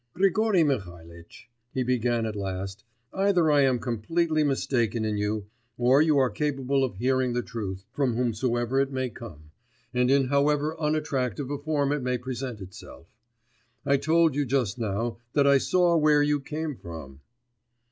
'Grigory Mihalitch,' he began at last, 'either I am completely mistaken in you, or you are capable of hearing the truth, from whomsoever it may come, and in however unattractive a form it may present itself. I told you just now, that I saw where you came from.